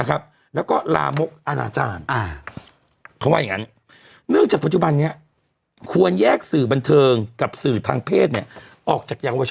แก้ยากเอาจริงนะคือพวกเราอาจจะบอกว่า